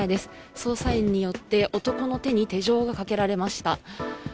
捜査員によって男の手に手錠がかけられました。